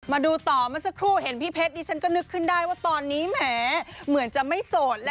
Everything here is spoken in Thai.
มาดูต่อเมื่อสักครู่เห็นพี่เพชรดิฉันก็นึกขึ้นได้ว่าตอนนี้แหมเหมือนจะไม่โสด